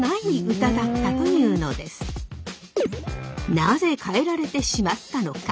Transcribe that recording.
なぜ変えられてしまったのか？